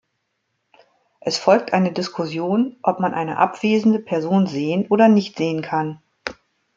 Es folgt eine Diskussion, ob man eine abwesende Person sehen oder nicht sehen kann.